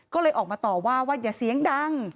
ก็เลยออกมาต่อว่าว่าอย่าเสียงดัง